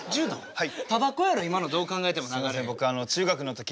はい。